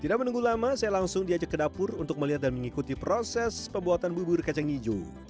tidak menunggu lama saya langsung diajak ke dapur untuk melihat dan mengikuti proses pembuatan bubur kacang hijau